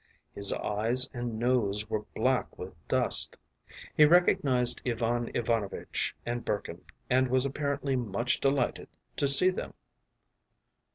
His eyes and nose were black with dust. He recognized Ivan Ivanovitch and Burkin, and was apparently much delighted to see them.